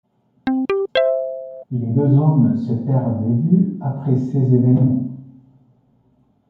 Les deux hommes se perdent de vue après ces événements.